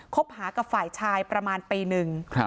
คบหากับฝ่ายชายประมาณปีหนึ่ง